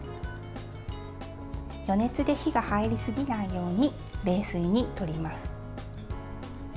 余熱で火が入り過ぎないように冷水にとります。